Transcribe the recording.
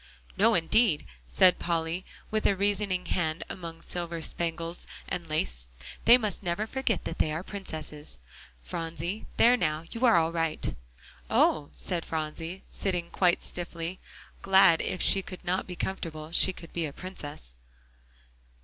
"No, indeed," said Polly, with a rescuing hand among the silver spangles and lace; "they must never forget that they are princesses, Phronsie. There now, you're all right." "Oh!" said Phronsie, sitting quite stiffly, glad if she could not be comfortable, she could be a princess.